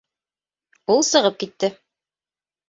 - Ул сығып китте.